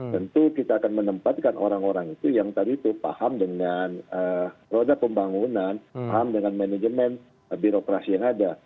tentu kita akan menempatkan orang orang itu yang tadi itu paham dengan roda pembangunan paham dengan manajemen birokrasi yang ada